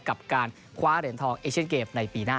กับการคว้าเหรียญทองเอเชียนเกมในปีหน้า